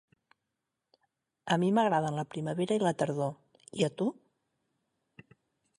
A mi m'agraden la primavera i la tardor. I a tu?